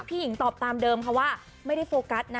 หญิงตอบตามเดิมค่ะว่าไม่ได้โฟกัสนะ